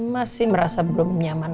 masih merasa belum nyaman